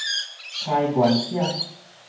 開源者